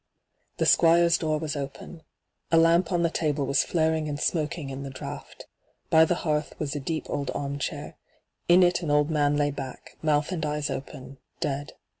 The Squire's door was open. A lamp on the table was flaring and smoking in the draught. By the hearth was a deep old arm chair. In it an old man lay back, mouth and eyes open, dead.